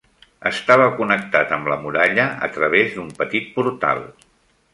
Estava connectat amb la muralla a través d'un petit portal.